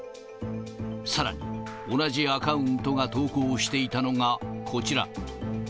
さらに、同じアカウントが投稿していたのがこちら。